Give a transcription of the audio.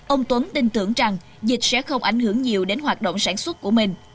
ông tuấn tin tưởng rằng dịch sẽ không ảnh hưởng nhiều đến hoạt động sản xuất của mình